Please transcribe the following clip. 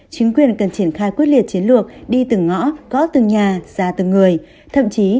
chính quyền cần triển khai quyết liệt chiến lược đi từng ngõ có từng nhà ra từng người